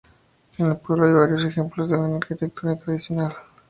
En el pueblo hay varios ejemplos de buena arquitectura tradicional.